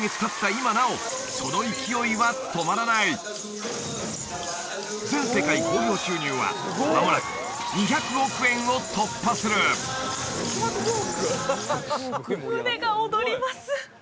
今なおその勢いは止まらない全世界興行収入はまもなく２００億円を突破する胸が躍ります